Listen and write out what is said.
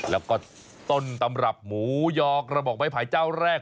แล้วก็ต้นตำรับหมูยอกระบอกไม้ไผ่เจ้าแรก